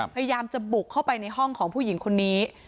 พยายามจะบุกเข้าไปในห้องของผู้หญิงคนนี้